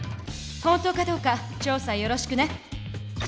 本当かどうか調査をよろしくね。